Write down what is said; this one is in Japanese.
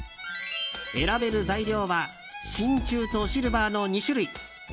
選べる材料は真鍮とシルバーの２種類。